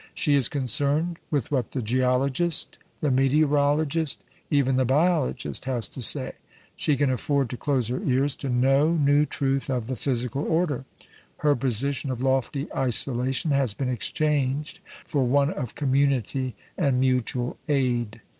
She is concerned with what the geologist, the meteorologist, even the biologist, has to say; she can afford to close her ears to no new truth of the physical order. Her position of lofty isolation has been exchanged for one of community and mutual aid.